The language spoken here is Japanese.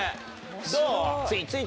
どう？